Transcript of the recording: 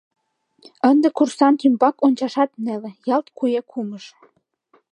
Ынде курсант ӱмбак ончашат неле, ялт куэ кумыж!